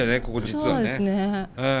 ここ実はね。